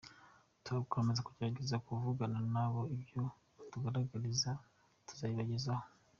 Turakomeza tugerageze kuvugana na bo ibyo bazadutangariza tuzabibagezaho.